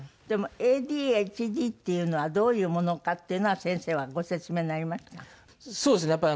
でもＡＤＨＤっていうのはどういうものかっていうのは先生はご説明になりました？